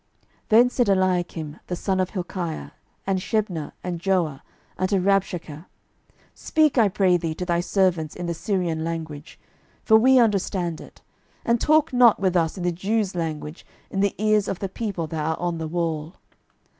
12:018:026 Then said Eliakim the son of Hilkiah, and Shebna, and Joah, unto Rabshakeh, Speak, I pray thee, to thy servants in the Syrian language; for we understand it: and talk not with us in the Jews' language in the ears of the people that are on the wall.